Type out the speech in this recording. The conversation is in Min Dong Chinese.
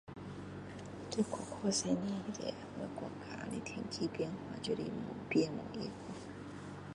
要說我國家的天氣就是我國家的天氣變化就是越變越熱